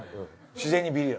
自然にビリッ。